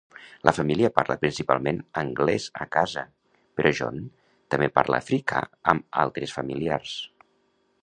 La família parla principalment anglès a casa, però John també parla africà amb altres familiars.